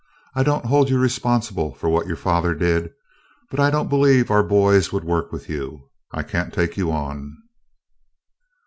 I don't hold you responsible for what your father did, but I don't believe our boys would work with you. I can't take you on."